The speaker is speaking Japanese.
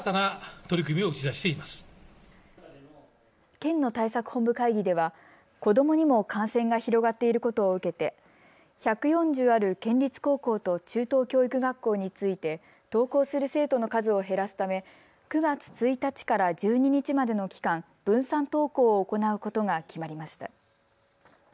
県の対策本部会議では子どもにも感染が広がっていることを受けて１４０ある県立高校と中等教育学校について登校する生徒の数を減らすため９月１日から１２日までの期間、分散登校を行うことが決まりました。